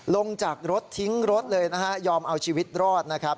ลงจากรถทิ้งรถเลยนะฮะยอมเอาชีวิตรอดนะครับ